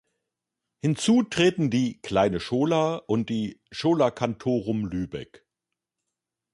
Hinzu treten die „kleine schola“ und die „schola cantorum lübeck“.